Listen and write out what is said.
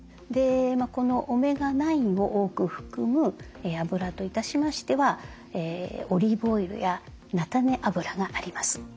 このオメガ９を多く含むあぶらといたしましてはオリーブオイルや菜種油があります。